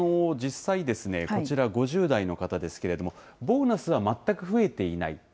実際、こちら、５０代の方ですけれども、ボーナスは全く増えていない。